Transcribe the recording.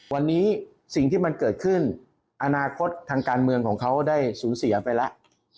วันนี้สิ่งที่มันเกิดขึ้นอนาคตทางการเมืองของเขาได้สูญเสียไปแล้ว